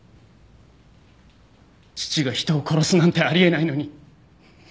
父が人を殺すなんてあり得ないのに！